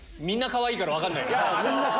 みんなかわいいから分かんない。